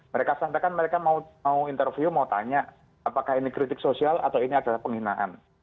mereka sampaikan mereka mau interview mau tanya apakah ini kritik sosial atau ini adalah penghinaan